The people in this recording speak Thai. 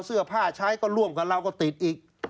เสื้อผ้าใช้ก็ร่วมกับเราก็ติดอีก